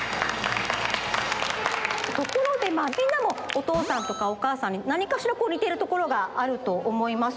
ところでみんなもおとうさんとかおかあさんになにかしらにているところがあるとおもいます。